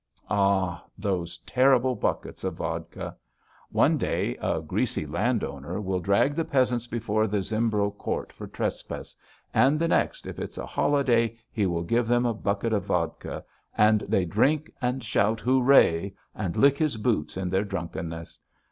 Ah! Those horrible buckets of vodka. One day a greasy landowner will drag the peasants before the Zembro Court for trespass, and the next, if it's a holiday, he will give them a bucket of vodka, and they drink and shout Hooray! and lick his boots in their drunkenness.